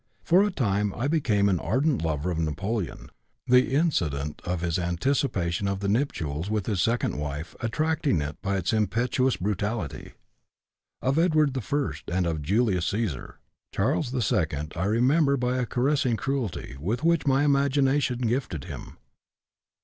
For a time I became an ardent lover of Napoléon (the incident of his anticipation of the nuptials with his second wife attracting me by its impetuous brutality), of Edward I, and of Julius Cæsar. Charles II I remember by a caressing cruelty with which my imagination gifted him.